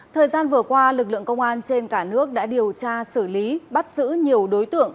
thời gian vừa qua lực lượng công an trên cả nước đã điều tra xử lý bắt giữ nhiều đối tượng